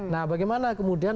nah bagaimana kemudian